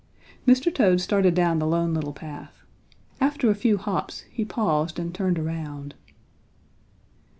Mr. Toad started down the Lone Little Path. After a few hops he paused and turned around.